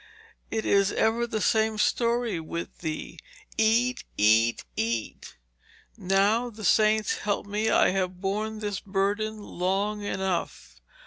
It is ever the same story with thee: eat, eat, eat. Now, the saints help me, I have borne this burden long enough.